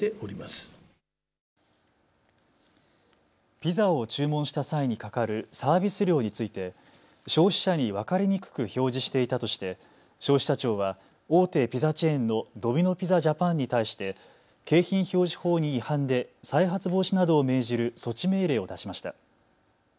ピザを注文した際にかかるサービス料について消費者に分かりにくく表示していたとして消費者庁は大手ピザチェーンのドミノ・ピザジャパンに対して景品表示法に違反で再発防止などを命じる措置命令を出しました。